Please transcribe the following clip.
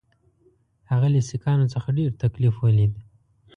هغه له سیکهانو څخه ډېر تکلیف ولید.